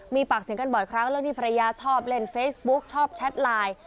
มีปากเสียงกันบ่อยครั้งเรื่องที่ภรรยาชอบเล่นเฟซบุ๊กชอบแชทไลน์